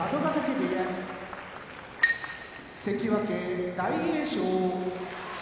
部屋関脇・大栄翔